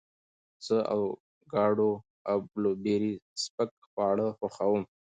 زه د اوکاډو او بلوبېري سپک خواړه خوښوم.